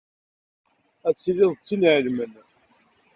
Ad tiliḍ d tin iɛelmen.